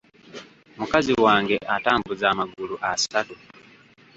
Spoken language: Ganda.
Mukazi wange atambuza amagulu asatu.